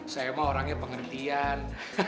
saya emang orangnya pengertian